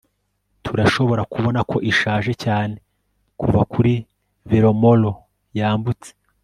Turashobora kubona ko ishaje cyane kuva kuri velomoro yambutse